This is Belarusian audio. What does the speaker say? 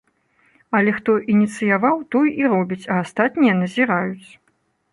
Але хто ініцыяваў, той і робіць, а астатнія назіраюць.